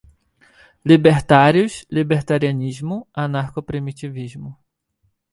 Libertários, libertarianismo, anarcoprimitivismo